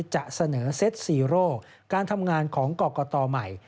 จะเสนอเซ็ตซีโร่การทำงานของกรกตใหม่